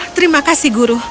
terima kasih guru